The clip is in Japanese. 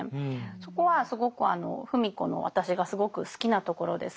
そこはすごく芙美子の私がすごく好きなところです。